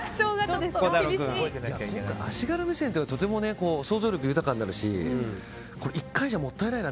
足軽目線というのは想像力豊かになるし１回じゃもったいないな。